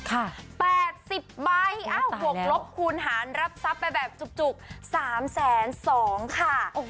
ค่ะ๘๐ใบเอ้าหกลบคูณหารับทรัพย์ไปแบบจุก๓แสน๒ค่ะ